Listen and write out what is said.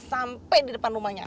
sampai di depan rumahnya